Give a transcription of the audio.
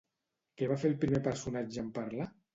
Què va fer el primer personatge en parlar?